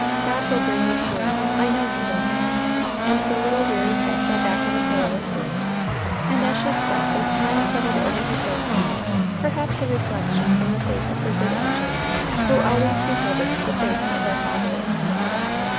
God will bring me through, I know He will;" and the little weary head fell back on the pillow asleep. And as she slept, a smile settled over her face, perhaps a reflection from the face of her good angel, who always beholdeth the face of our Father in Heaven.